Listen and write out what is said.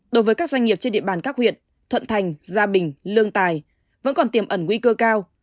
đối với các doanh nghiệp trên địa bàn các huyện thuận thành gia bình lương tài vẫn còn tiềm ẩn nguy cơ cao